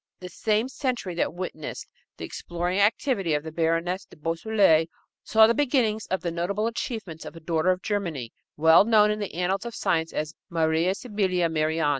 The same century that witnessed the exploring activity of the Baroness de Beausoleil saw the beginnings of the notable achievements of a daughter of Germany, well known in the annals of science as Maria Sibylla Merian.